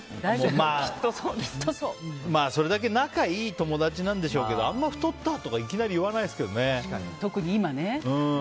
それだけ仲がいい友達なんでしょうけどあんまり太った？とかいきなり言わないですけどね。